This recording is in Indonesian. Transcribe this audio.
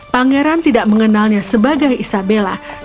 pangeran tidak mengenalnya sebagai isabella